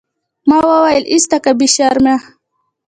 ما وويل ايسته که بې شرمه.